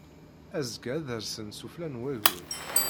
Azekka ad rsen sufella n wayur.